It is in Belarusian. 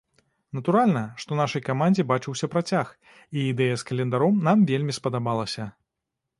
Натуральна, што нашай камандзе бачыўся працяг, і ідэя з календаром нам вельмі спадабалася.